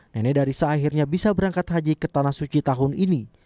nenek darisa akhirnya bisa berangkat haji ke tanah suci tahun ini